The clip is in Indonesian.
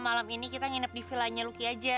gimana kalau malam ini kita nginep di vilanya lucky aja